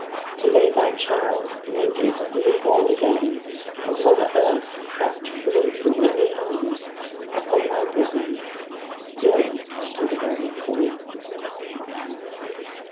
To lay thy child, naked, new born again Of mother earth, crept free through many harms, Upon thy bosom still to the very core.